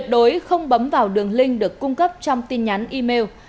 đăng ký vào đường link được cung cấp trong tin nhắn email